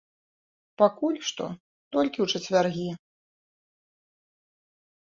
Пакуль што толькі ў чацвяргі.